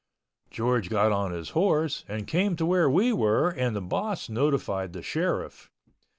George got on his horse and came to where we were and the boss notified the Sheriff.